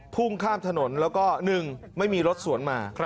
พุ่งข้ามถนนแล้วก็๑ไม่มีรถสวนมา